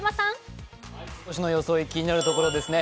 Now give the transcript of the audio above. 今年の装い気になるところですね。